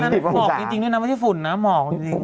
หมอกจริงด้วยนะไม่ใช่ฝุ่นนะหมอกจริง